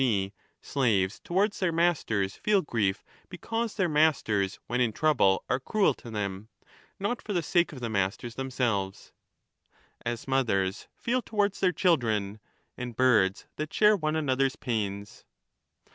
g. slaves towards their masters feel grief because their masters when in trouble are cruel to them, not for the sake of the masters themselves) ^s mothers feel towards 35 their children, and birds that share one another's pains!